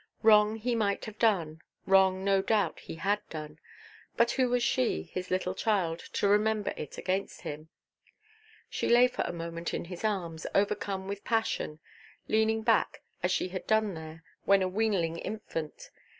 Wrong he might have done, wrong (no doubt) he had done; but who was she, his little child, to remember it against him? She lay for a moment in his arms, overcome with passion, leaning back, as she had done there, when a weanling infant.